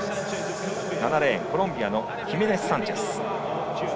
７レーン、コロンビアのヒメネスサンチェス。